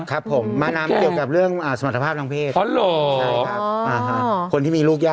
ครับผม